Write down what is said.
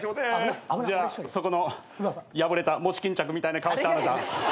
じゃあそこの破れた餅巾着みたいな顔したあなた。